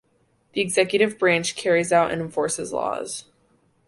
The executive branch carries out and enforces laws.